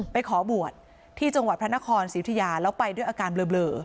ไปขอบวชที่จังหวัดพระนครศรีอุทิยาแล้วไปด้วยอาการเบลอ